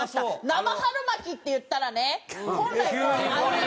生春巻っていったらね本来。